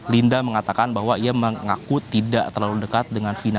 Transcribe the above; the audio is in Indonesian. linda mengatakan bahwa ia mengaku tidak terlalu dekat dengan fina